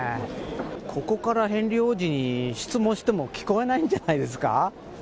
ここからヘンリー王子に質問しても聞こえないんじゃないですか。